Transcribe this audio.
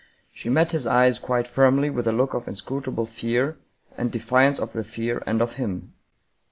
She met his eyes quite firmly with a look of inscrutable fear, and defiance of the fear and of him.